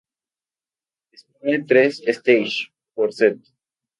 Disponible tres "stages" por set.